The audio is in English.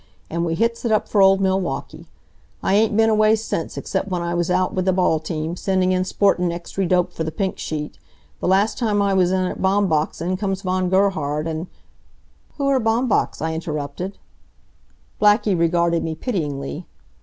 An' we hits it up for old Milwaukee. I ain't been away since, except w'en I was out with the ball team, sending in sportin' extry dope for the pink sheet. The last time I was in at Baumbach's in comes Von Gerhard an' " "Who are Baumbach's?" I interrupted. Blackie regarded me pityingly.